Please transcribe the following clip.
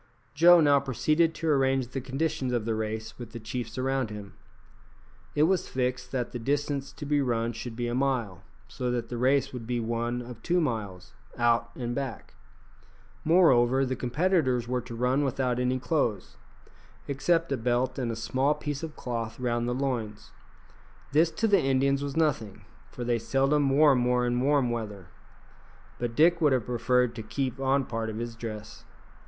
Joe now proceeded to arrange the conditions of the race with the chiefs around him. It was fixed that the distance to be run should be a mile, so that the race would be one of two miles, out and back. Moreover, the competitors were to run without any clothes, except a belt and a small piece of cloth round the loins. This to the Indians was nothing, for they seldom wore more in warm weather; but Dick would have preferred to keep on part of his dress.